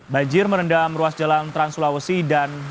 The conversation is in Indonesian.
banjir merendam ruas jalan transulawesi dan banjir merendam